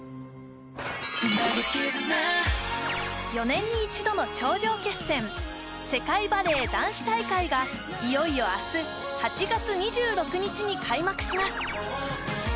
４年に一度の頂上決戦世界バレー男子大会がいよいよ明日８月２６日に開幕します